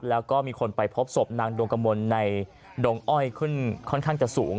แล้วก็มีคนไปพบศพนางดวงกระมวลในดงอ้อยขึ้นค่อนข้างจะสูง